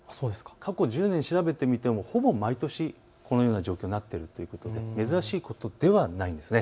過去１０年調べてみてもほぼ毎年このような状況になっているということで珍しいことではないんです。